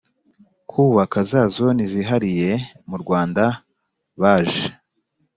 ku bubaka za Zone zihariye murwanda baje